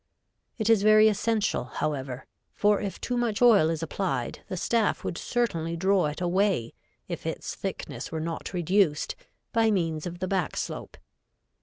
It is very essential, however, for if too much oil is applied the staff would certainly draw it away if its thickness were not reduced, by means of the back slope.